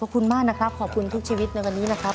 ขอบคุณมากนะครับขอบคุณทุกชีวิตในวันนี้นะครับ